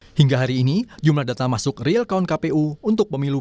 jadi kalau ada informasi kabar atau pernyataan seperti itu kpu mematok